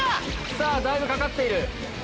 さぁだいぶかかっている！